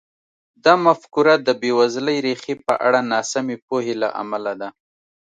دا مفکوره د بېوزلۍ ریښې په اړه ناسمې پوهې له امله ده.